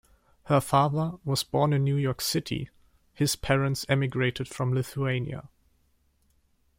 Her father was born in New York City; his parents emigrated from Lithuania.